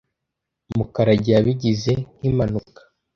Mukarage yabigize nkimpanuka.